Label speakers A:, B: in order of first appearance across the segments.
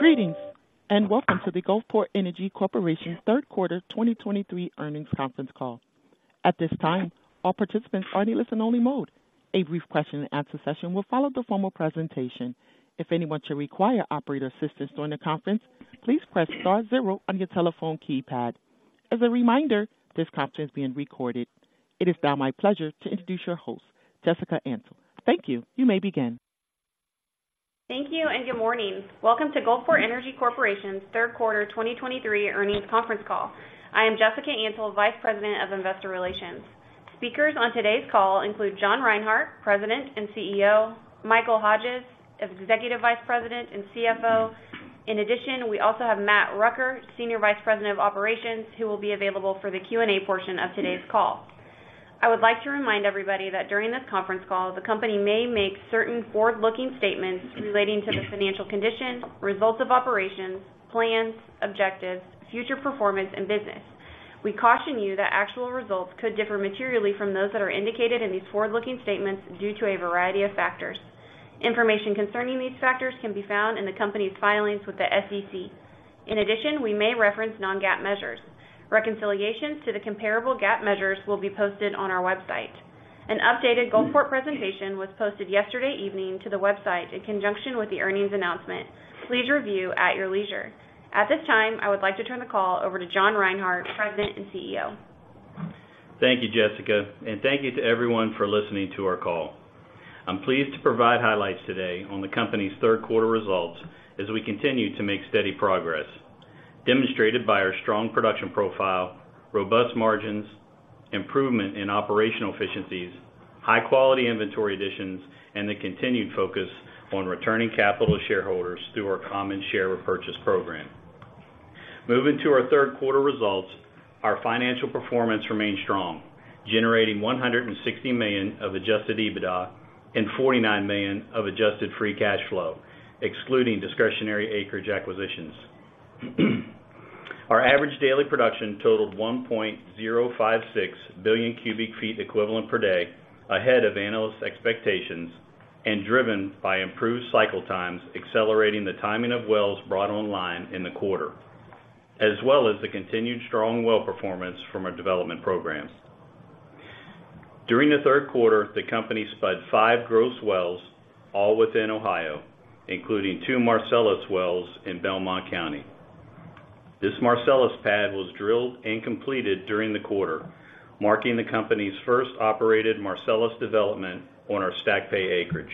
A: Greetings, and welcome to the Gulfport Energy Corporation third quarter 2023 earnings conference call. At this time, all participants are in listen-only mode. A brief question-and-answer session will follow the formal presentation. If anyone should require operator assistance during the conference, please press star zero on your telephone keypad. As a reminder, this conference is being recorded. It is now my pleasure to introduce your host, Jessica Antle. Thank you. You may begin.
B: Thank you, and good morning. Welcome to Gulfport Energy Corporation's third quarter 2023 earnings conference call. I am Jessica Antle, Vice President of Investor Relations. Speakers on today's call include John Reinhart, President and CEO. Michael Hodges, Executive Vice President and CFO. In addition, we also have Matt Rucker, Senior Vice President of Operations, who will be available for the Q&A portion of today's call. I would like to remind everybody that during this conference call, the company may make certain forward-looking statements relating to the financial condition, results of operations, plans, objectives, future performance, and business. We caution you that actual results could differ materially from those that are indicated in these forward-looking statements due to a variety of factors. Information concerning these factors can be found in the company's filings with the SEC. In addition, we may reference non-GAAP measures. Reconciliations to the comparable GAAP measures will be posted on our website. An updated Gulfport presentation was posted yesterday evening to the website in conjunction with the earnings announcement. Please review at your leisure. At this time, I would like to turn the call over to John Reinhart, President and CEO.
C: Thank you, Jessica, and thank you to everyone for listening to our call. I'm pleased to provide highlights today on the company's third quarter results as we continue to make steady progress, demonstrated by our strong production profile, robust margins, improvement in operational efficiencies, high-quality inventory additions, and the continued focus on returning capital to shareholders through our common share repurchase program. Moving to our third quarter results, our financial performance remained strong, generating $160 million of Adjusted EBITDA and $49 million of adjusted free cash flow, excluding discretionary acreage acquisitions. Our average daily production totaled 1.056 billion cubic feet equivalent per day, ahead of analyst expectations and driven by improved cycle times, accelerating the timing of wells brought online in the quarter, as well as the continued strong well performance from our development programs. During the third quarter, the company spudded five gross wells, all within Ohio, including two Marcellus wells in Belmont County. This Marcellus pad was drilled and completed during the quarter, marking the company's first operated Marcellus development on our stacked pay acreage.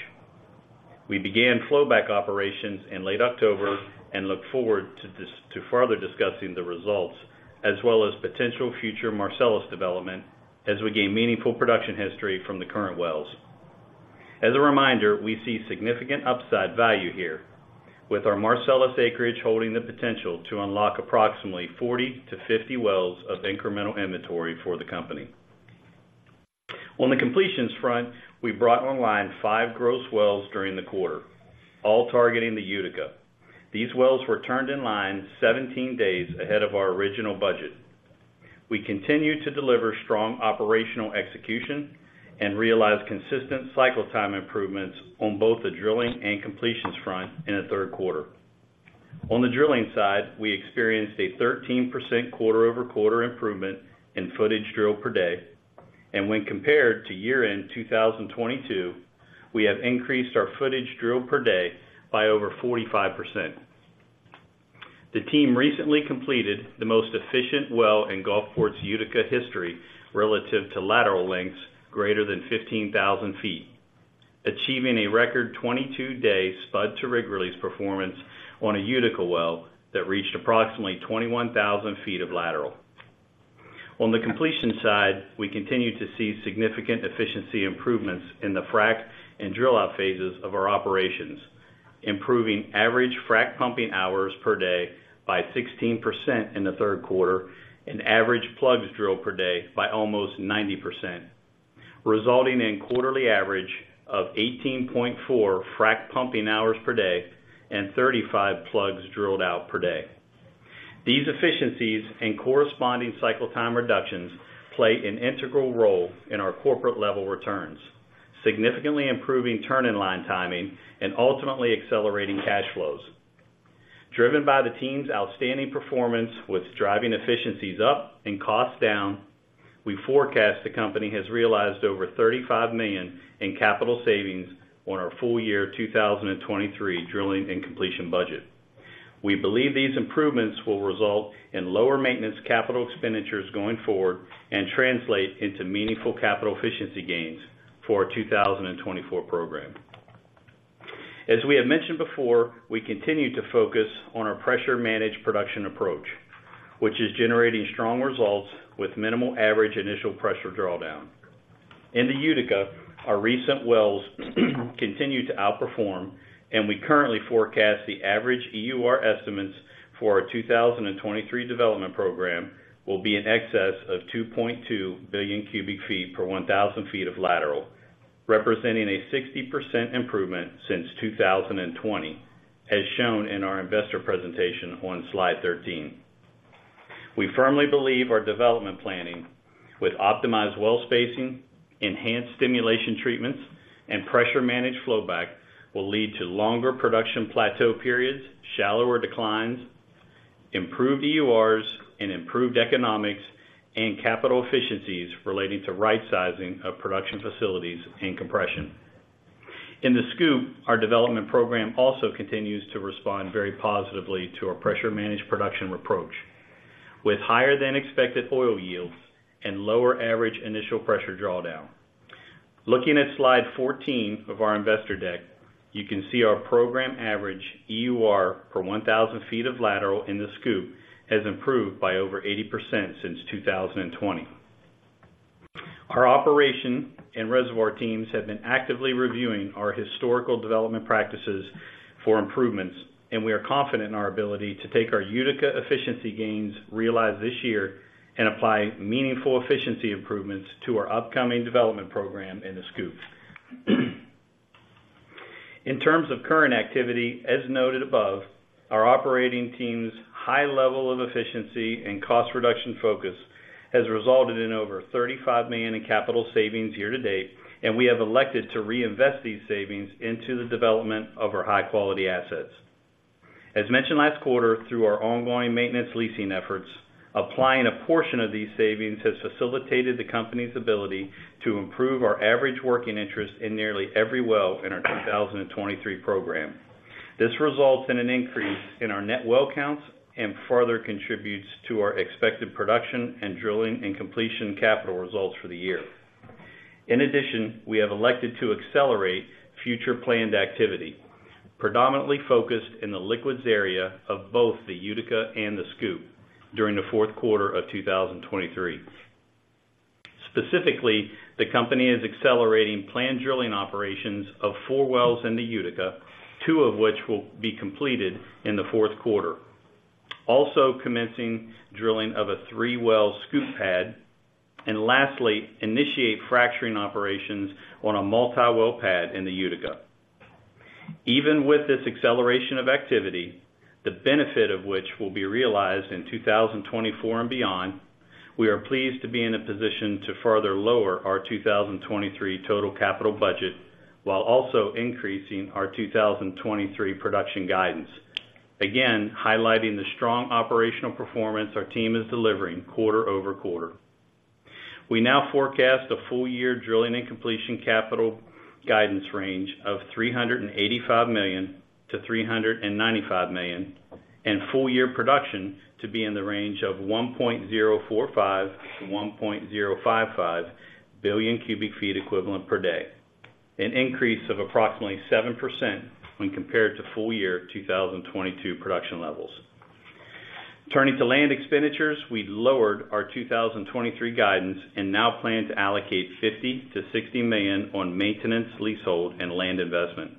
C: We began flowback operations in late October and look forward to further discussing the results, as well as potential future Marcellus development as we gain meaningful production history from the current wells. As a reminder, we see significant upside value here, with our Marcellus acreage holding the potential to unlock approximately 40-50 wells of incremental inventory for the company. On the completions front, we brought online five gross wells during the quarter, all targeting the Utica. These wells were turned in line 17 days ahead of our original budget. We continue to deliver strong operational execution and realize consistent cycle time improvements on both the drilling and completions front in the third quarter. On the drilling side, we experienced a 13% quarter-over-quarter improvement in footage drilled per day, and when compared to year-end 2022, we have increased our footage drilled per day by over 45%. The team recently completed the most efficient well in Gulfport's Utica history relative to lateral lengths greater than 15,000 feet, achieving a record 22-day spud-to-rig release performance on a Utica well that reached approximately 21,000 feet of lateral. On the completion side, we continue to see significant efficiency improvements in the frac and drill out phases of our operations, improving average frac pumping hours per day by 16% in the third quarter and average plugs drilled per day by almost 90%, resulting in quarterly average of 18.4 frac pumping hours per day and 35 plugs drilled out per day. These efficiencies and corresponding cycle time reductions play an integral role in our corporate-level returns, significantly improving turn-in-line timing and ultimately accelerating cash flows. Driven by the team's outstanding performance with driving efficiencies up and costs down, we forecast the company has realized over $35 million in capital savings on our full year 2023 drilling and completion budget. We believe these improvements will result in lower maintenance capital expenditures going forward and translate into meaningful capital efficiency gains for our 2024 program. As we have mentioned before, we continue to focus on our pressure-managed production approach, which is generating strong results with minimal average initial pressure drawdown. In the Utica, our recent wells continue to outperform, and we currently forecast the average EUR estimates for our 2023 development program will be in excess of 2.2 billion cubic feet per 1,000 feet of lateral, representing a 60% improvement since 2020, as shown in our investor presentation on slide 13. We firmly believe our development planning with optimized well spacing, enhanced stimulation treatments, and pressure-managed flowback will lead to longer production plateau periods, shallower declines, improved EURs, and improved economics and capital efficiencies relating to right-sizing of production facilities and compression. In the SCOOP, our development program also continues to respond very positively to our pressure-managed production approach, with higher-than-expected oil yields and lower average initial pressure drawdown. Looking at slide 14 of our investor deck, you can see our program average EUR per 1,000 feet of lateral in the SCOOP has improved by over 80% since 2020. Our operations and reservoir teams have been actively reviewing our historical development practices for improvements, and we are confident in our ability to take our Utica efficiency gains realized this year and apply meaningful efficiency improvements to our upcoming development program in the SCOOP. In terms of current activity, as noted above, our operating team's high level of efficiency and cost reduction focus has resulted in over $35 million in capital savings year-to-date, and we have elected to reinvest these savings into the development of our high-quality assets. As mentioned last quarter, through our ongoing maintenance leasing efforts, applying a portion of these savings has facilitated the company's ability to improve our average working interest in nearly every well in our 2023 program. This results in an increase in our net well counts and further contributes to our expected production and drilling and completion capital results for the year. In addition, we have elected to accelerate future planned activity, predominantly focused in the liquids area of both the Utica and the SCOOP during the fourth quarter of 2023. Specifically, the company is accelerating planned drilling operations of four wells in the Utica, two of which will be completed in the fourth quarter. Also, commencing drilling of a three-well SCOOP pad, and lastly, initiate fracturing operations on a multi-well pad in the Utica. Even with this acceleration of activity, the benefit of which will be realized in 2024 and beyond, we are pleased to be in a position to further lower our 2023 total capital budget, while also increasing our 2023 production guidance. Again, highlighting the strong operational performance our team is delivering quarter-over-quarter. We now forecast a full-year drilling and completion capital guidance range of $385 million-$395 million, and full-year production to be in the range of 1.045-1.055 billion cubic feet equivalent per day, an increase of approximately 7% when compared to full-year 2022 production levels. Turning to land expenditures, we lowered our 2023 guidance and now plan to allocate $50 million-$60 million on maintenance, leasehold, and land investment.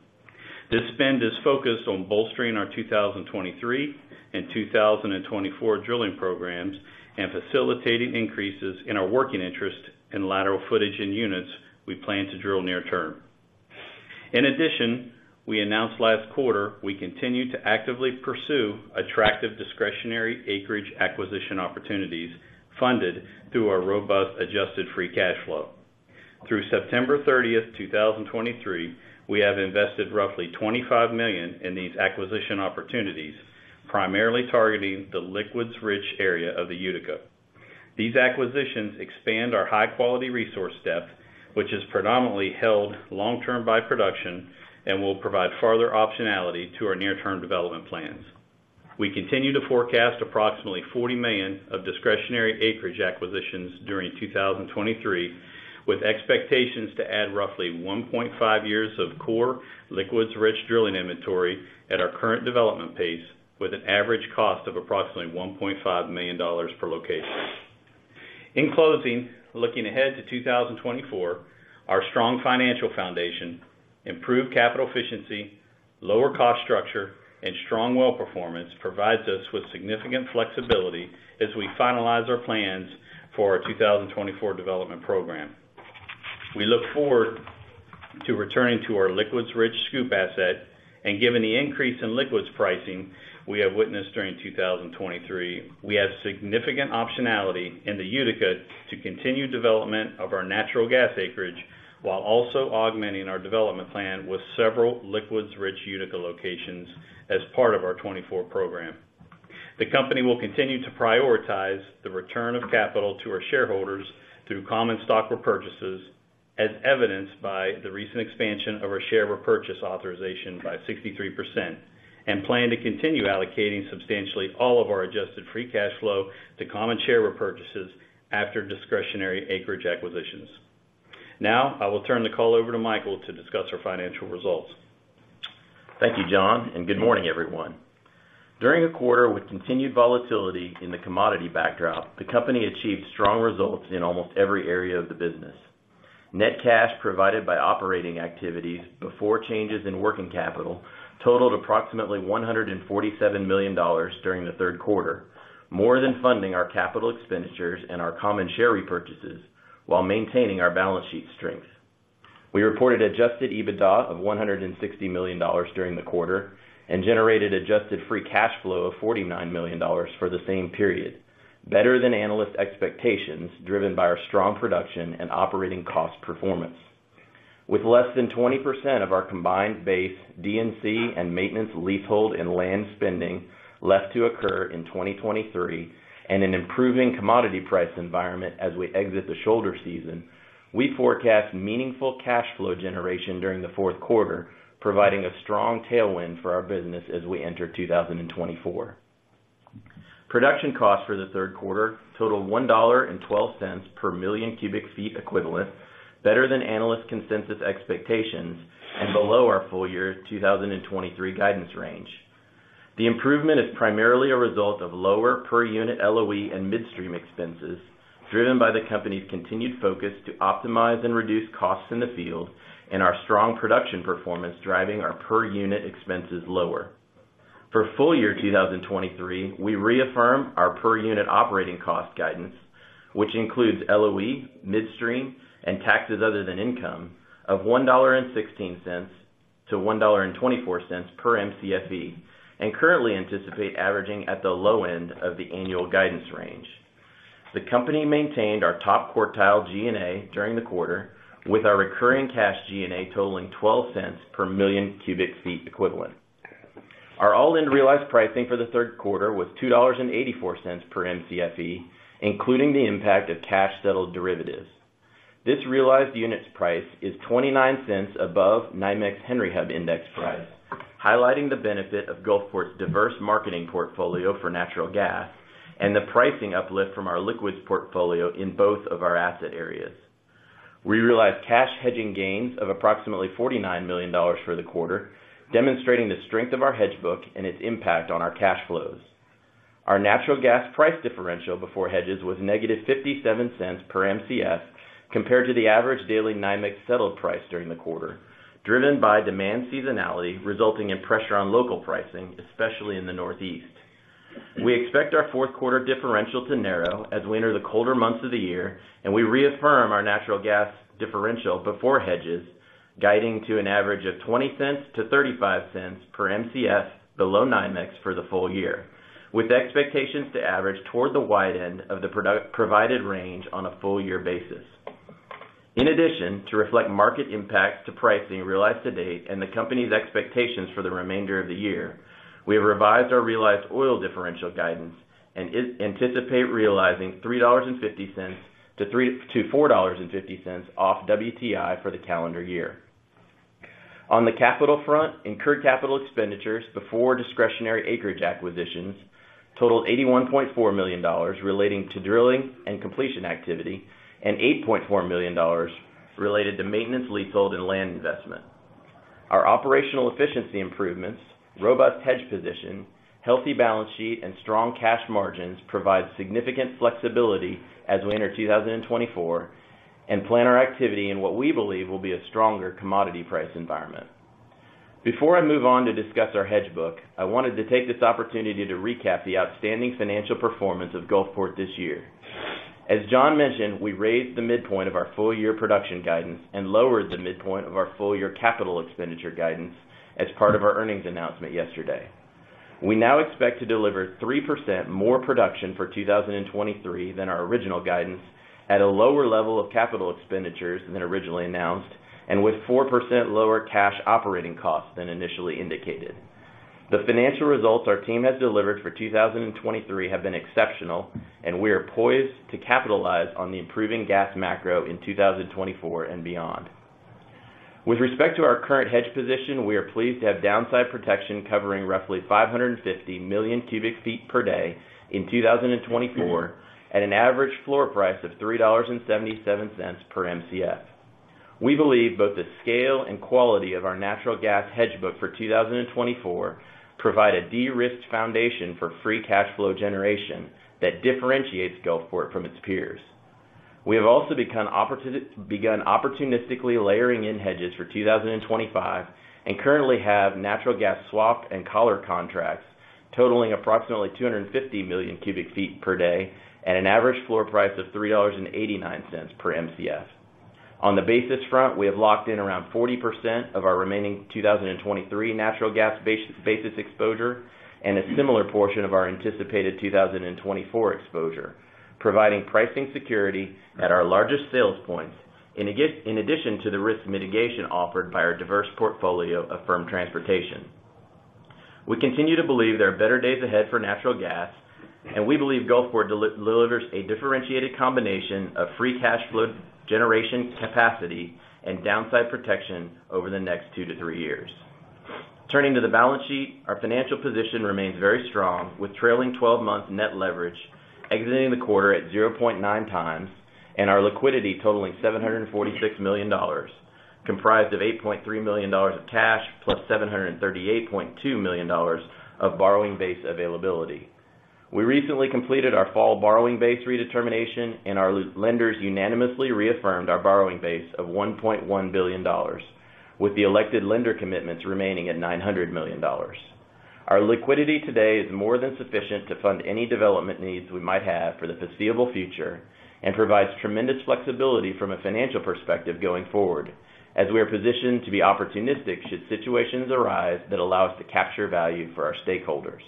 C: This spend is focused on bolstering our 2023 and 2024 drilling programs and facilitating increases in our working interest in lateral footage and units we plan to drill near term. In addition, we announced last quarter we continue to actively pursue attractive discretionary acreage acquisition opportunities funded through our robust adjusted free cash flow. Through September 30, 2023, we have invested roughly $25 million in these acquisition opportunities, primarily targeting the liquids-rich area of the Utica. These acquisitions expand our high-quality resource depth, which is predominantly held long-term by production and will provide further optionality to our near-term development plans. We continue to forecast approximately $40 million of discretionary acreage acquisitions during 2023, with expectations to add roughly 1.5 years of core liquids-rich drilling inventory at our current development pace, with an average cost of approximately $1.5 million per location. In closing, looking ahead to 2024, our strong financial foundation, improved capital efficiency, lower cost structure, and strong well performance provides us with significant flexibility as we finalize our plans for our 2024 development program. We look forward to returning to our liquids-rich SCOOP asset, and given the increase in liquids pricing we have witnessed during 2023, we have significant optionality in the Utica to continue development of our natural gas acreage while also augmenting our development plan with several liquids-rich Utica locations as part of our 2024 program. The company will continue to prioritize the return of capital to our shareholders through common stock repurchases, as evidenced by the recent expansion of our share repurchase authorization by 63%, and plan to continue allocating substantially all of our adjusted free cash flow to common share repurchases after discretionary acreage acquisitions. Now, I will turn the call over to Michael to discuss our financial results.
D: Thank you, John, and good morning, everyone. During a quarter with continued volatility in the commodity backdrop, the company achieved strong results in almost every area of the business. Net cash provided by operating activities before changes in working capital totaled approximately $147 million during the third quarter, more than funding our capital expenditures and our common share repurchases while maintaining our balance sheet strength. We reported Adjusted EBITDA of $160 million during the quarter, and generated adjusted free cash flow of $49 million for the same period, better than analyst expectations, driven by our strong production and operating cost performance. With less than 20% of our combined base, D&C, and maintenance leasehold and land spending left to occur in 2023, and an improving commodity price environment as we exit the shoulder season, we forecast meaningful cash flow generation during the fourth quarter, providing a strong tailwind for our business as we enter 2024. Production costs for the third quarter totaled $1.12 per mfce, better than analyst consensus expectations, and below our full-year 2023 guidance range. The improvement is primarily a result of lower per-unit LOE and midstream expenses, driven by the company's continued focus to optimize and reduce costs in the field, and our strong production performance driving our per-unit expenses lower. For full year 2023, we reaffirm our per-unit operating cost guidance, which includes LOE, midstream, and taxes other than income of $1.16-$1.24 per Mcfe, and currently anticipate averaging at the low end of the annual guidance range. The company maintained our top-quartile G&A during the quarter, with our recurring cash G&A totaling 12 cents per mfce. Our all-in realized pricing for the third quarter was $2.84 per Mcfe, including the impact of cash-settled derivatives. This realized units price is 29 cents above NYMEX Henry Hub Index price, highlighting the benefit of Gulfport's diverse marketing portfolio for natural gas and the pricing uplift from our liquids portfolio in both of our asset areas. We realized cash hedging gains of approximately $49 million for the quarter, demonstrating the strength of our hedge book and its impact on our cash flows. Our natural gas price differential before hedges was -$0.57 per Mcf, compared to the average daily NYMEX settled price during the quarter, driven by demand seasonality, resulting in pressure on local pricing, especially in the Northeast. We expect our fourth quarter differential to narrow as we enter the colder months of the year, and we reaffirm our natural gas differential before hedges, guiding to an average of $0.20-$0.35 per Mcf, below NYMEX for the full year, with expectations to average toward the wide end of the provided range on a full year basis. In addition, to reflect market impacts to pricing realized to date and the company's expectations for the remainder of the year, we have revised our realized oil differential guidance and anticipate realizing $3.50-$4.50 off WTI for the calendar year. On the capital front, incurred capital expenditures before discretionary acreage acquisitions totaled $81.4 million relating to drilling and completion activity, and $8.4 million related to maintenance, leasehold, and land investment. Our operational efficiency improvements, robust hedge position, healthy balance sheet, and strong cash margins provide significant flexibility as we enter 2024, and plan our activity in what we believe will be a stronger commodity price environment. Before I move on to discuss our hedge book, I wanted to take this opportunity to recap the outstanding financial performance of Gulfport this year. As John mentioned, we raised the midpoint of our full-year production guidance and lowered the midpoint of our full-year capital expenditure guidance as part of our earnings announcement yesterday. We now expect to deliver 3% more production for 2023 than our original guidance, at a lower level of capital expenditures than originally announced, and with 4% lower cash operating costs than initially indicated. The financial results our team has delivered for 2023 have been exceptional, and we are poised to capitalize on the improving gas macro in 2024 and beyond. With respect to our current hedge position, we are pleased to have downside protection covering roughly 550 million cubic feet per day in 2024, at an average floor price of $3.77 per Mcf. We believe both the scale and quality of our natural gas hedge book for 2024 provide a de-risked foundation for free cash flow generation that differentiates Gulfport from its peers. We have also begun opportunistically layering in hedges for 2025, and currently have natural gas swap and collar contracts totaling approximately 250 million cubic feet per day at an average floor price of $3.89 per Mcf. On the basis front, we have locked in around 40% of our remaining 2023 natural gas basis exposure, and a similar portion of our anticipated 2024 exposure, providing pricing security at our largest sales points, in addition to the risk mitigation offered by our diverse portfolio of firm transportation. We continue to believe there are better days ahead for natural gas, and we believe Gulfport delivers a differentiated combination of free cash flow generation capacity and downside protection over the next 2-3 years. Turning to the balance sheet, our financial position remains very strong, with trailing twelve-month net leverage exiting the quarter at 0.9 times, and our liquidity totaling $746 million, comprised of $8.3 million of cash, plus $738.2 million of borrowing base availability. We recently completed our fall borrowing base redetermination, and our lenders unanimously reaffirmed our borrowing base of $1.1 billion, with the elected lender commitments remaining at $900 million. Our liquidity today is more than sufficient to fund any development needs we might have for the foreseeable future and provides tremendous flexibility from a financial perspective going forward, as we are positioned to be opportunistic should situations arise that allow us to capture value for our stakeholders.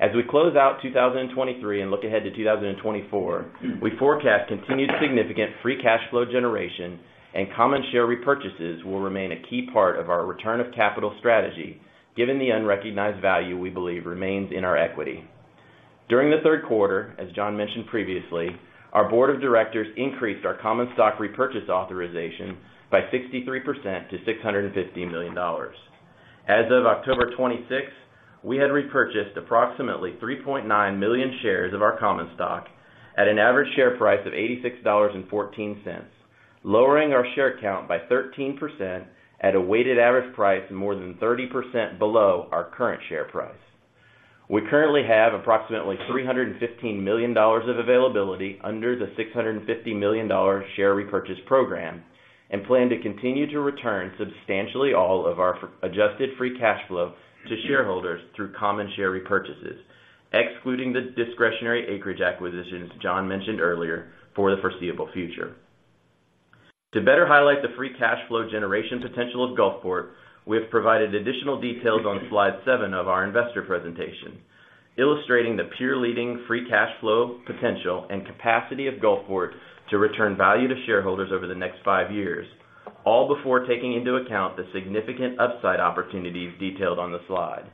D: As we close out 2023 and look ahead to 2024, we forecast continued significant free cash flow generation and common share repurchases will remain a key part of our return of capital strategy, given the unrecognized value we believe remains in our equity. During the third quarter, as John mentioned previously, our board of directors increased our common stock repurchase authorization by 63% to $650 million. As of October 26, we had repurchased approximately 3.9 million shares of our common stock at an average share price of $86.14, lowering our share count by 13% at a weighted average price more than 30% below our current share price. We currently have approximately $315 million of availability under the $650 million share repurchase program, and plan to continue to return substantially all of our adjusted free cash flow to shareholders through common share repurchases, excluding the discretionary acreage acquisitions John mentioned earlier, for the foreseeable future. To better highlight the free cash flow generation potential of Gulfport, we have provided additional details on slide 7 of our investor presentation, illustrating the peer-leading free cash flow potential and capacity of Gulfport to return value to shareholders over the next five years, all before taking into account the significant upside opportunities detailed on the slide.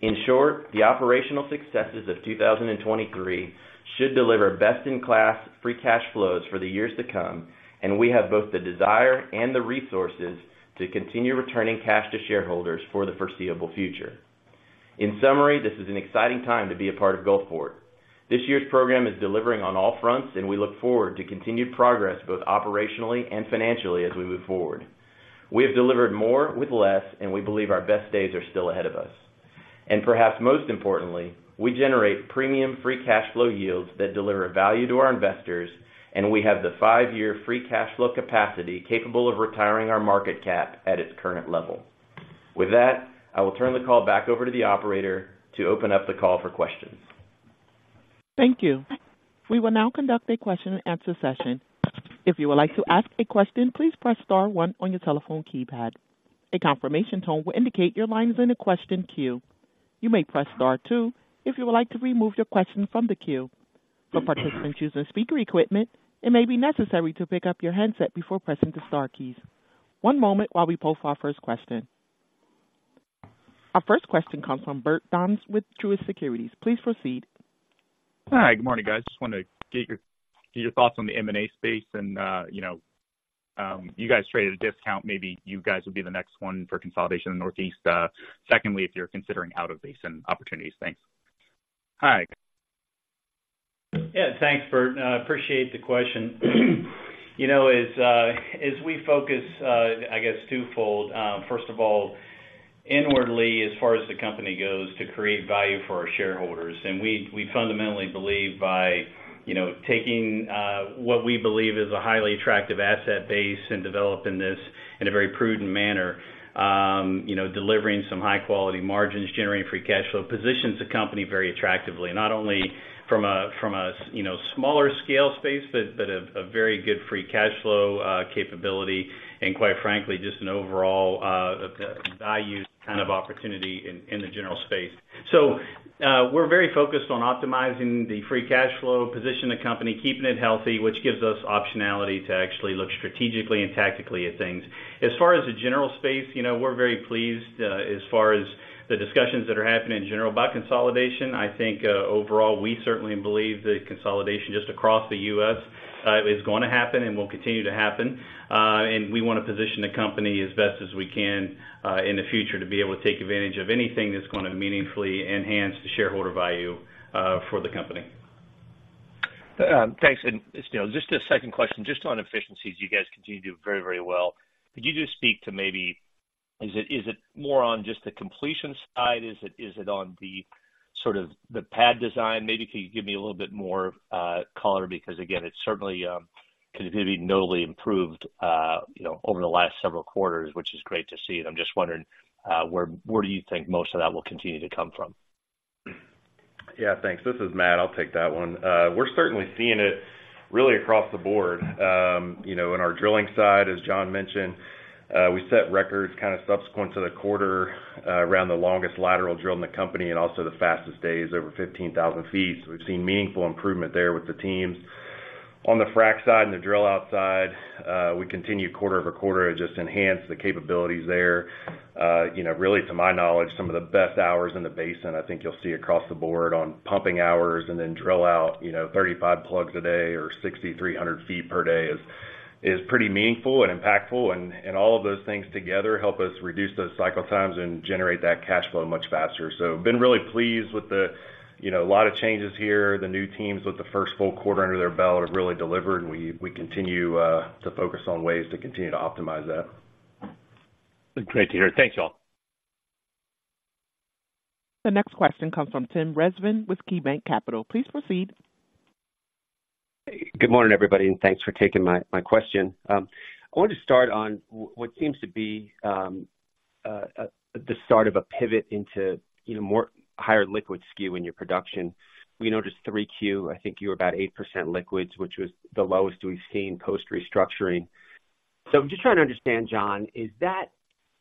D: In short, the operational successes of 2023 should deliver best-in-class free cash flows for the years to come, and we have both the desire and the resources to continue returning cash to shareholders for the foreseeable future. In summary, this is an exciting time to be a part of Gulfport. This year's program is delivering on all fronts, and we look forward to continued progress, both operationally and financially, as we move forward. We have delivered more with less, and we believe our best days are still ahead of us. Perhaps most importantly, we generate premium free cash flow yields that deliver value to our investors, and we have the five-year free cash flow capacity capable of retiring our market cap at its current level. With that, I will turn the call back over to the operator to open up the call for questions.
A: Thank you. We will now conduct a question-and-answer session. If you would like to ask a question, please press star one on your telephone keypad. A confirmation tone will indicate your line is in the question queue. You may press star two if you would like to remove your question from the queue. For participants using speaker equipment, it may be necessary to pick up your handset before pressing the star keys. One moment while we pose our first question. Our first question comes from Bert Donnes with Truist Securities. Please proceed.
E: Hi, good morning, guys. Just wanted to get your thoughts on the M&A space and, you know, you guys trade at a discount. Maybe you guys will be the next one for consolidation in the Northeast. Secondly, if you're considering out-of-basin opportunities. Thanks.
D: Hi. Yeah, thanks, Bert. I appreciate the question. You know, as we focus, I guess, twofold, first of all, inwardly, as far as the company goes, to create value for our shareholders, and we fundamentally believe by, you know, taking what we believe is a highly attractive asset base and developing this in a very prudent manner, you know, delivering some high-quality margins, generating free cash flow, positions the company very attractively, not only from a, from a, you know, smaller scale space, but a very good free cash flow capability, and quite frankly, just an overall value kind of opportunity in the general space. So, we're very focused on optimizing the free cash flow, position the company, keeping it healthy, which gives us optionality to actually look strategically and tactically at things. As far as the general space, you know, we're very pleased, as far as the discussions that are happening in general about consolidation. I think, overall, we certainly believe that consolidation just across the U.S., is going to happen and will continue to happen. And we want to position the company as best as we can, in the future to be able to take advantage of anything that's going to meaningfully enhance the shareholder value, for the company.
E: Thanks. You know, just a second question, just on efficiencies, you guys continue to do very, very well. Could you just speak to maybe is it more on just the completion side? Is it on the sort of the pad design? Maybe could you give me a little bit more color? Because, again, it's certainly continuedly notably improved, you know, over the last several quarters, which is great to see. I'm just wondering, where do you think most of that will continue to come from?
F: Yeah, thanks. This is Matt. I'll take that one. We're certainly seeing it really across the board. You know, in our drilling side, as John mentioned, we set records kind of subsequent to the quarter, around the longest lateral drill in the company and also the fastest days, over 15,000 feet. So we've seen meaningful improvement there with the teams. On the frac side and the drill out side, we continue quarter-over-quarter to just enhance the capabilities there. You know, really, to my knowledge, some of the best hours in the basin. I think you'll see across the board on pumping hours and then drill out, you know, 35 plugs a day or 6,300 feet per day is pretty meaningful and impactful, and all of those things together help us reduce those cycle times and generate that cash flow much faster. So been really pleased with the, you know, a lot of changes here. The new teams with the first full quarter under their belt have really delivered, and we continue to focus on ways to continue to optimize that.
E: Great to hear. Thanks, y'all.
A: The next question comes from Tim Rezvan with KeyBanc Capital. Please proceed.
G: Good morning, everybody, and thanks for taking my question. I want to start on what seems to be the start of a pivot into, you know, more higher liquid skew in your production. We noticed Q3, I think you were about 8% liquids, which was the lowest we've seen post-restructuring. So I'm just trying to understand, John, is that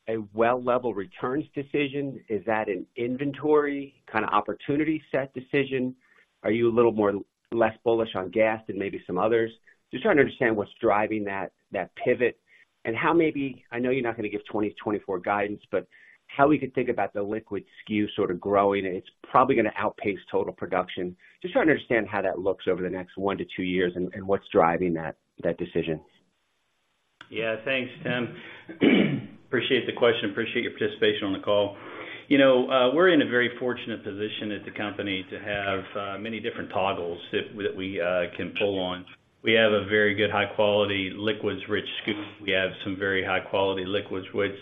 G: a well level returns decision? Is that an inventory kind of opportunity set decision? Are you a little more less bullish on gas than maybe some others? Just trying to understand what's driving that pivot, and how maybe... I know you're not going to give 2024 guidance, but how we could think about the liquid skew sort of growing, and it's probably going to outpace total production. Just trying to understand how that looks over the next one to two years and what's driving that decision.
C: Yeah, thanks, Tim. Appreciate the question. Appreciate your participation on the call. You know, we're in a very fortunate position at the company to have many different toggles that, that we can pull on. We have a very good high quality liquids-rich SCOOP. We have some very high quality liquids with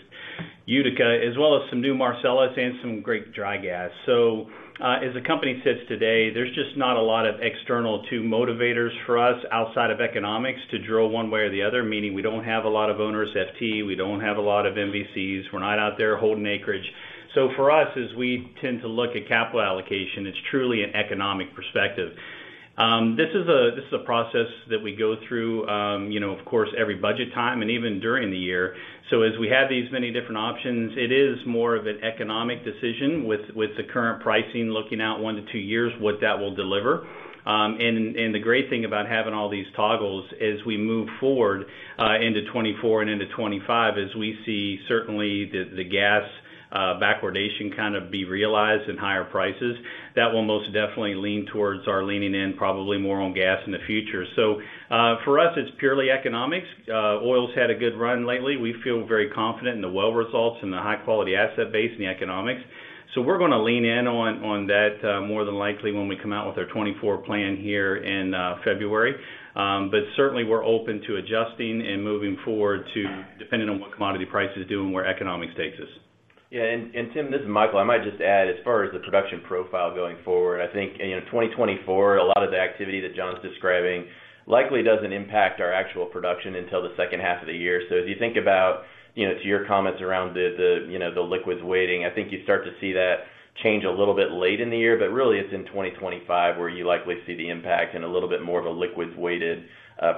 C: Utica, as well as some new Marcellus and some great dry gas. So, as the company sits today, there's just not a lot of external two motivators for us outside of economics to drill one way or the other, meaning we don't have a lot of onerous FT, we don't have a lot of MVCs, we're not out there holding acreage. So for us, as we tend to look at capital allocation, it's truly an economic perspective. This is a process that we go through, you know, of course, every budget time and even during the year. So as we have these many different options, it is more of an economic decision with the current pricing, looking out 1-2 years, what that will deliver. And the great thing about having all these toggles as we move forward into 2024 and into 2025 is we see certainly the gas backwardation kind of be realized in higher prices. That will most definitely lean towards our leaning in, probably more on gas in the future. So, for us, it's purely economics. Oil's had a good run lately. We feel very confident in the well results and the high quality asset base and the economics. So we're gonna lean in on, on that, more than likely when we come out with our 2024 plan here in February. But certainly we're open to adjusting and moving forward to, depending on what commodity prices do and where economics takes us.
D: Yeah, Tim, this is Michael. I might just add, as far as the production profile going forward, I think, you know, 2024, a lot of the activity that John's describing likely doesn't impact our actual production until the second half of the year. So as you think about, you know, to your comments around the liquids weighting, I think you start to see that change a little bit late in the year, but really it's in 2025, where you likely see the impact and a little bit more of a liquids-weighted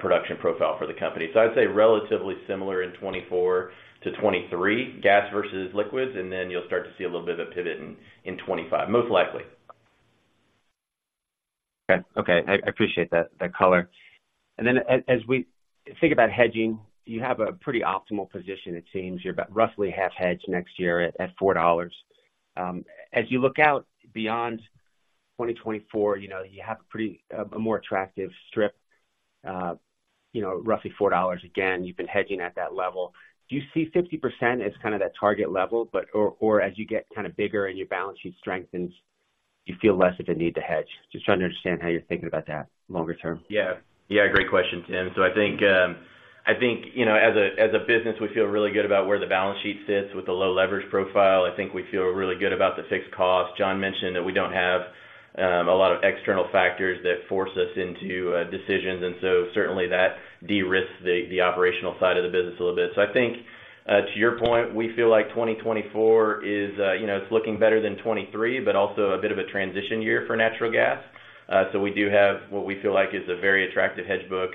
D: production profile for the company. So I'd say relatively similar in 2024 to 2023, gas versus liquids, and then you'll start to see a little bit of a pivot in 2025, most likely.
G: Okay. Okay, I, I appreciate that, that color. And then as, as we think about hedging, you have a pretty optimal position it seems. You're about roughly half hedged next year at, at $4. As you look out beyond 2024, you know, you have a pretty, a more attractive strip, you know, roughly $4, again, you've been hedging at that level. Do you see 50% as kind of that target level, but or, or as you get kind of bigger and your balance sheet strengthens, you feel less of a need to hedge? Just trying to understand how you're thinking about that longer term.
D: Yeah. Yeah, great question, Tim. So I think, I think, you know, as a business, we feel really good about where the balance sheet sits with a low leverage profile. I think we feel really good about the fixed cost. John mentioned that we don't have a lot of external factors that force us into decisions, and so certainly that de-risks the operational side of the business a little bit. So I think, to your point, we feel like 2024 is, you know, it's looking better than 2023, but also a bit of a transition year for natural gas. So we do have what we feel like is a very attractive hedge book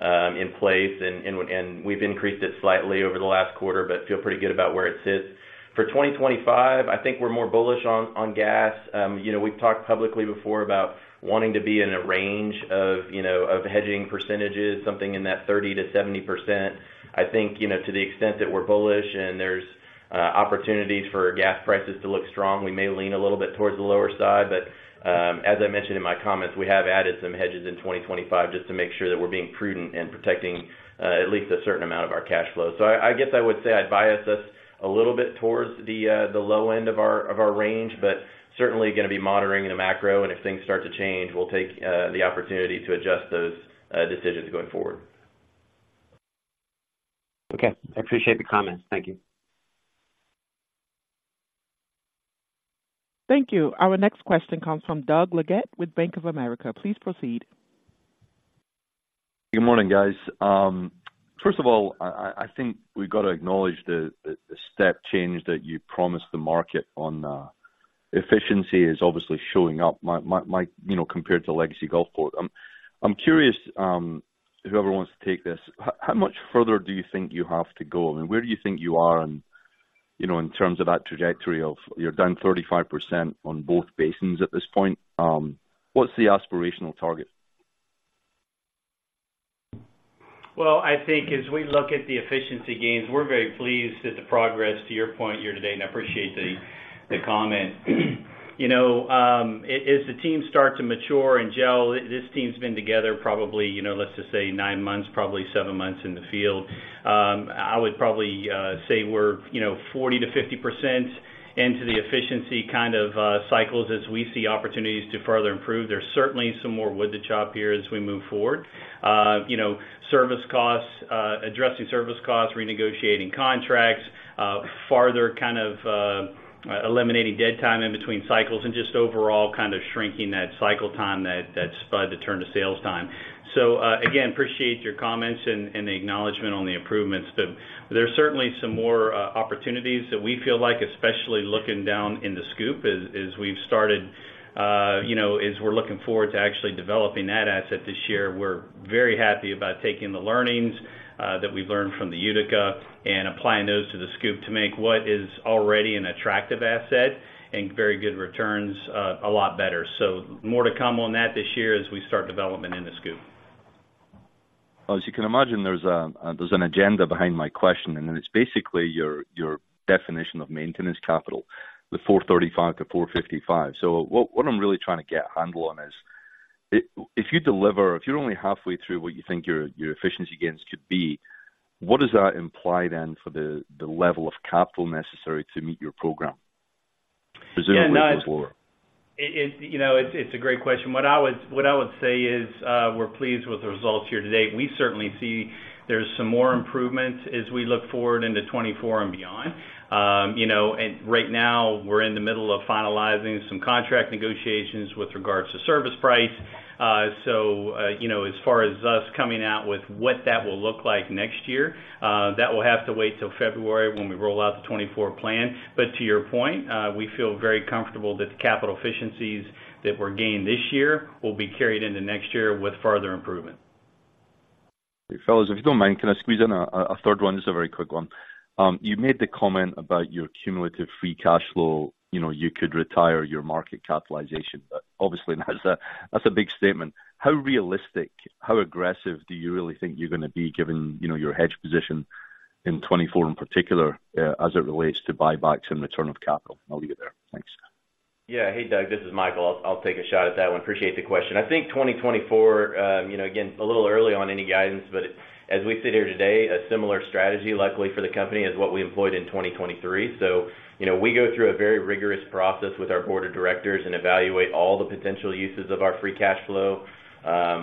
D: in place, and we've increased it slightly over the last quarter, but feel pretty good about where it sits. For 2025, I think we're more bullish on, on gas. You know, we've talked publicly before about wanting to be in a range of, you know, of hedging percentages, something in that 30%-70%. I think, you know, to the extent that we're bullish and there's opportunities for gas prices to look strong, we may lean a little bit towards the lower side, but, as I mentioned in my comments, we have added some hedges in 2025 just to make sure that we're being prudent in protecting at least a certain amount of our cash flow. So I guess I would say I'd bias us a little bit towards the low end of our range, but certainly gonna be monitoring the macro, and if things start to change, we'll take the opportunity to adjust those decisions going forward.
G: Okay. I appreciate the comments. Thank you.
A: Thank you. Our next question comes from Doug Leggate with Bank of America. Please proceed.
H: Good morning, guys. First of all, I think we've got to acknowledge the step change that you promised the market on efficiency is obviously showing up, you know, compared to legacy Gulfport. I'm curious, whoever wants to take this, how much further do you think you have to go? I mean, where do you think you are and, you know, in terms of that trajectory of you're down 35% on both basins at this point, what's the aspirational target?
C: Well, I think as we look at the efficiency gains, we're very pleased at the progress, to your point here today, and I appreciate the comment. You know, as the team starts to mature and gel, this team's been together probably, you know, let's just say 9 months, probably 7 months in the field. I would probably say we're, you know, 40%-50% into the efficiency kind of cycles as we see opportunities to further improve. There's certainly some more wood to chop here as we move forward. You know, service costs, addressing service costs, renegotiating contracts, farther kind of eliminating dead time in between cycles and just overall kind of shrinking that cycle time, that spud to turn to sales time. So, again, appreciate your comments and, and the acknowledgment on the improvements, but there's certainly some more opportunities that we feel like, especially looking down in the SCOOP, as, as we've started, you know, as we're looking forward to actually developing that asset this year, we're very happy about taking the learnings that we've learned from the Utica and applying those to the SCOOP to make what is already an attractive asset and very good returns a lot better. So more to come on that this year as we start development in the SCOOP.
H: As you can imagine, there's an agenda behind my question, and it's basically your definition of maintenance capital, the $435-$455. So what I'm really trying to get a handle on is, if you deliver—if you're only halfway through what you think your efficiency gains could be, what does that imply then for the level of capital necessary to meet your program? Presumably, it's lower.
C: Yeah, no, you know, it's a great question. What I would say is, we're pleased with the results here today. We certainly see there's some more improvements as we look forward into 2024 and beyond. You know, and right now, we're in the middle of finalizing some contract negotiations with regards to service price. So, you know, as far as us coming out with what that will look like next year, that will have to wait till February, when we roll out the 2024 plan. But to your point, we feel very comfortable that the capital efficiencies that were gained this year will be carried into next year with further improvement.
H: Hey, fellas, if you don't mind, can I squeeze in a third one? This is a very quick one. You made the comment about your cumulative free cash flow. You know, you could retire your market capitalization. But obviously, that's a big statement. How realistic, how aggressive do you really think you're gonna be given, you know, your hedge position in 2024, in particular, as it relates to buybacks and return of capital? I'll leave it there. Thanks.
D: Yeah. Hey, Doug, this is Michael. I'll take a shot at that one. Appreciate the question. I think 2024, you know, again, a little early on any guidance, but as we sit here today, a similar strategy, luckily for the company, is what we employed in 2023. So, you know, we go through a very rigorous process with our board of directors and evaluate all the potential uses of our free cash flow,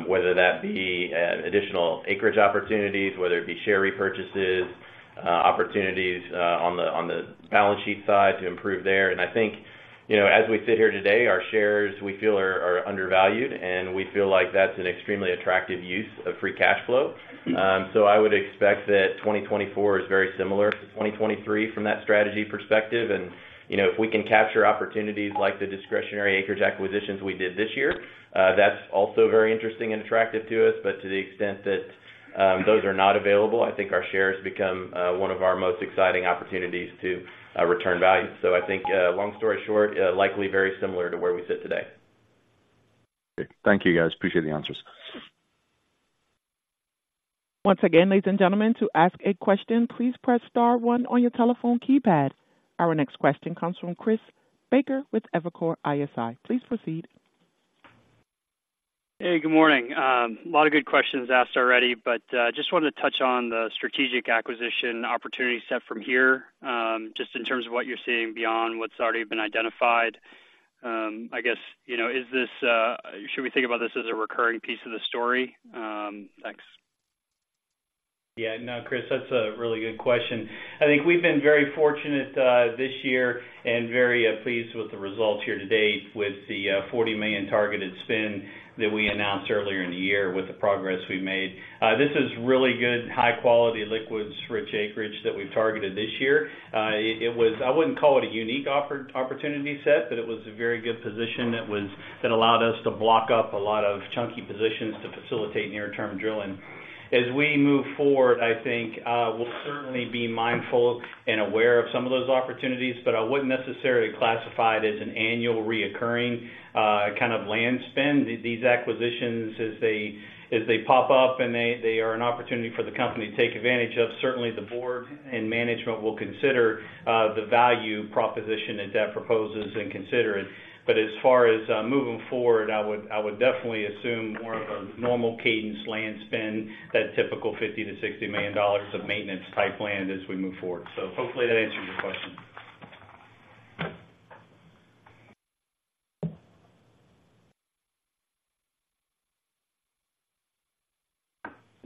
D: whether that be additional acreage opportunities, whether it be share repurchases, opportunities on the balance sheet side to improve there. And I think, you know, as we sit here today, our shares, we feel, are undervalued, and we feel like that's an extremely attractive use of free cash flow. So I would expect that 2024 is very similar to 2023 from that strategy perspective. And, you know, if we can capture opportunities like the discretionary acreage acquisitions we did this year, that's also very interesting and attractive to us. But to the extent that those are not available, I think our shares become one of our most exciting opportunities to return value. So I think, long story short, likely very similar to where we sit today.
H: Okay. Thank you, guys. Appreciate the answers.
A: Once again, ladies and gentlemen, to ask a question, please press star one on your telephone keypad. Our next question comes from Chris Baker with Evercore ISI. Please proceed.
I: Hey, good morning. A lot of good questions asked already, but just wanted to touch on the strategic acquisition opportunity set from here, just in terms of what you're seeing beyond what's already been identified. I guess, you know, is this... should we think about this as a recurring piece of the story? Thanks.
C: Yeah. No, Chris, that's a really good question. I think we've been very fortunate this year and very pleased with the results here to date with the $40 million targeted spend that we announced earlier in the year with the progress we made. This is really good, high-quality, liquids-rich acreage that we've targeted this year. It was—I wouldn't call it a unique opportunity set, but it was a very good position that allowed us to block up a lot of chunky positions to facilitate near-term drilling. As we move forward, I think we'll certainly be mindful and aware of some of those opportunities, but I wouldn't necessarily classify it as an annual recurring kind of land spend. These acquisitions, as they pop up and they are an opportunity for the company to take advantage of, certainly the board and management will consider the value proposition that proposes and consider it. But as far as moving forward, I would definitely assume more of a normal cadence land spend, that typical $50-$60 million of maintenance-type land as we move forward. So hopefully that answers your question.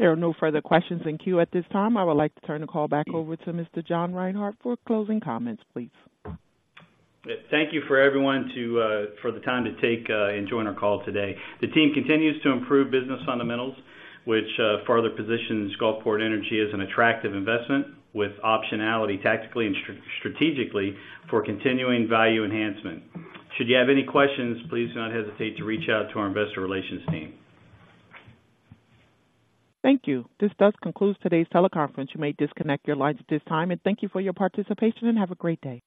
A: There are no further questions in queue at this time. I would like to turn the call back over to Mr. John Reinhart for closing comments, please.
C: Yeah. Thank you to everyone for taking the time to join our call today. The team continues to improve business fundamentals, which further positions Gulfport Energy as an attractive investment with optionality, tactically and strategically, for continuing value enhancement. Should you have any questions, please do not hesitate to reach out to our investor relations team.
A: Thank you. This does conclude today's teleconference. You may disconnect your lines at this time, and thank you for your participation, and have a great day.